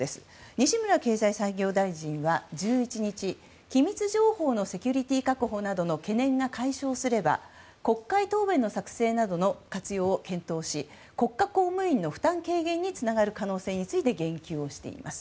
西村経済産業大臣は１１日機密情報のセキュリティー確保などの懸念が解消すれば国会答弁の作成などの活用を検討し、国家公務員の負担軽減につながる可能性について言及をしています。